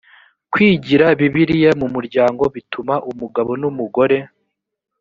kwigira bibiliya mu muryango bituma umugabo n umugore